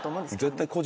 絶対。